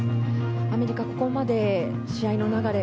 アメリカはここまで試合の流れ